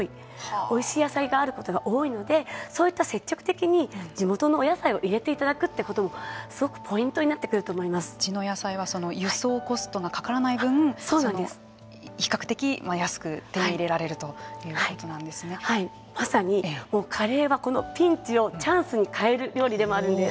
おいしいことが多いのでそういった積極的に地元のお野菜を入れていただくということもすごくポイントになってくると地の野菜は輸送コストがかからない分比較的安く手に入れられるまさにカレーはピンチをチャンスに変える料理でもあるんです。